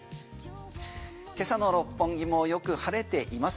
今朝の六本木もよく晴れています